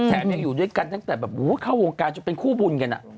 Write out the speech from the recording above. แถมยังอยู่ด้วยกันตั้งแต่แบบเข้าวงการจนเป็นคู่บุญกัน